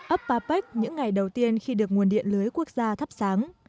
ấp papec những ngày đầu tiên khi được nguồn điện lưới quốc gia thắp sáng